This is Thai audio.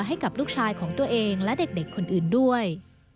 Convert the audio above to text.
ให้กับลูกชายของตัวเองและเด็กคนอื่นด้วย